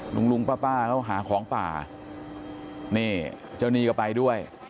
ลุงลุงป้าเขาหาของป่านี่เจ้าหนี้ก็ไปด้วย